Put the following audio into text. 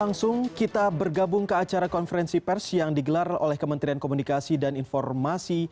langsung kita bergabung ke acara konferensi pers yang digelar oleh kementerian komunikasi dan informasi